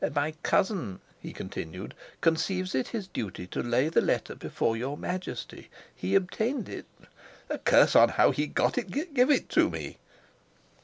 "My cousin," he continued, "conceives it his duty to lay the letter before your Majesty. He obtained it " "A curse on how he got it! Give it me!"